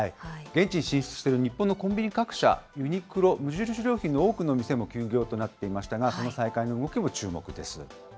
現地に進出する日本のコンビニ各社、ユニクロ、無印良品の多くの店も休業となっていましたが、その再開の動きも注目です。